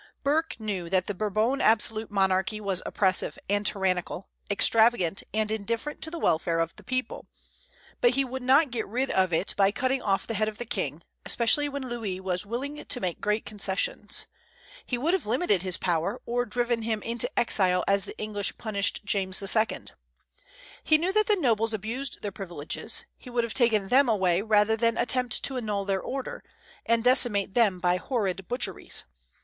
Burke knew that the Bourbon absolute monarchy was oppressive and tyrannical, extravagant and indifferent to the welfare of the people; but he would not get rid of it by cutting off the head of the king, especially when Louis was willing to make great concessions: he would have limited his power, or driven him into exile as the English punished James II. He knew that the nobles abused their privileges; he would have taken them away rather than attempt to annul their order, and decimate them by horrid butcheries.